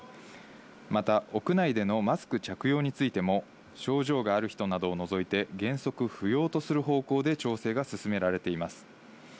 また屋内でのマスク着用についても症状がある人などを除いて、原則不要とする方向で調整が進められています。